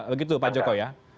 begitu pak joko ya